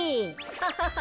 ハハハハ。